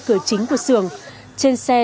cửa chính của sường trên xe